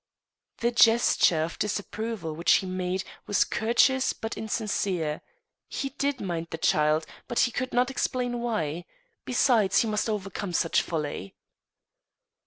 The gesture of disavowal which he made was courteous but insincere. He did mind the child, but he could not explain why; besides he must overcome such folly.